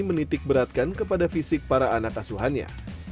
menitik beratkan kepada fisik para anak asuhannya